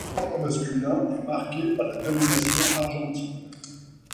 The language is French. Le tournoi masculin est marqué par la domination argentine.